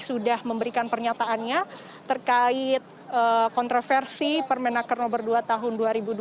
sudah memberikan pernyataannya terkait kontroversi permenaker nomor dua tahun dua ribu dua puluh